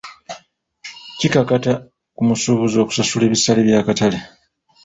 Kikakata ku musuubuzi okusasula ebisale by'akatale.